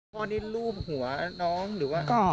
พ่อนี่รูปหัวน้องหรือว่า